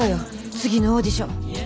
次のオーディション。